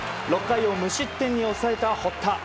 ６回を無失点に抑えた堀田。